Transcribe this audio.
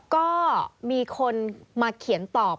ก็มีคนมาเขียนตอบ